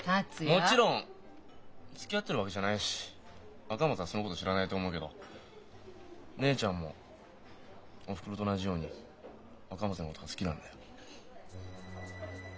もちろんつきあってるわけじゃないし赤松はそのこと知らないと思うけど姉ちゃんもおふくろと同じように赤松のことが好きなんだよ。